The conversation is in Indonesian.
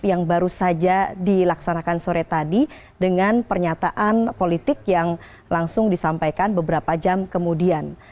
yang baru saja dilaksanakan sore tadi dengan pernyataan politik yang langsung disampaikan beberapa jam kemudian